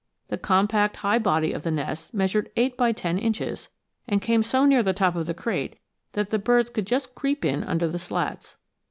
The compact high body of the nest measured eight by ten inches, and came so near the top of the crate that the birds could just creep in under the slats.